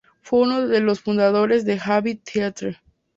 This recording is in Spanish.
Fue uno de los fundadores del Abbey Theatre.